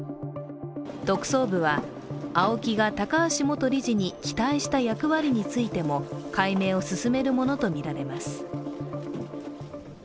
特捜部部はＡＯＫＩが高橋元理事に期待した役割についても解明を進めるものとみられます。